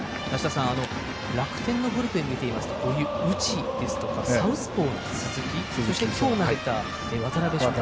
楽天のブルペンを見てみますと内ですとかサウスポーの鈴木そして、今日入った渡辺翔太。